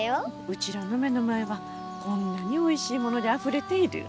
うちらの目の前はこんなにおいしいものであふれている。